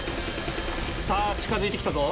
さぁ近づいて来たぞ。